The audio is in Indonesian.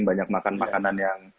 banyak makan makanan yang